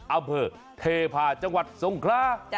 อำเภอเทพาะจังหวัดทรงครา